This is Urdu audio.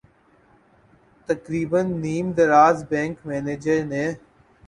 تقریبا نیم دراز بینک منیجر نے